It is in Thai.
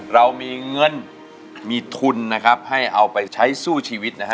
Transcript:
เรามีเงินมีทุนนะครับให้เอาไปใช้สู้ชีวิตนะฮะ